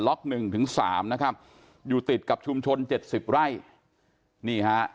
หนึ่งถึงสามนะครับอยู่ติดกับชุมชนเจ็ดสิบไร่นี่ฮะ